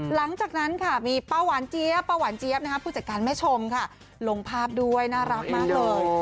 หลังจากนั้นค่ะมีป้าหวานเจี๊ยบป้าหวานเจี๊ยบนะคะผู้จัดการแม่ชมค่ะลงภาพด้วยน่ารักมากเลย